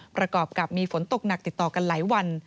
ประกอบกับมีฝนตกหนักติดต่อกันหลายวัน